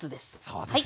そうですね。